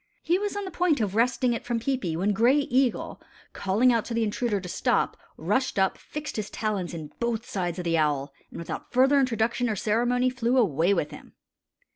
He was on the point of wresting it from Peepi, when Gray Eagle, calling out to the intruder to stop, rushed up, fixed his talons in both sides of the owl, and without further introduction or ceremony flew away with him.